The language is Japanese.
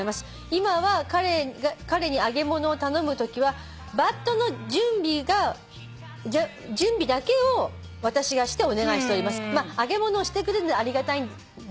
「今は彼に揚げ物を頼むときはバットの準備だけを私がしてお願いしております」「揚げ物をしてくれるのはありがたいんですけどね」